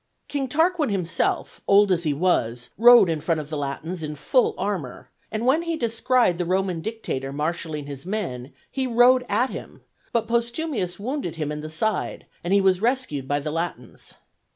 King Tarquin himself, old as he was, rode in front of the Latins in full armor; and when he descried the Roman dictator marshalling his men, he rode at him; but Postumius wounded him in the side, and he was rescued by the Latins.